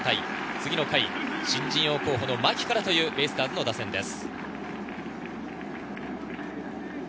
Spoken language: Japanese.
次の回、新人王候補の牧からのベイスターズ打線です。